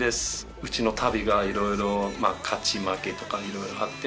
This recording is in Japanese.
うちの旅がいろいろ勝ち負けとかいろいろあって。